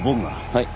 はい。